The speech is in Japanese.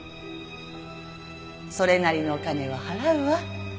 それなりのお金は払うわ。